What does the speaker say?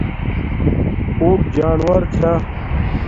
اونٹ جانوور چھا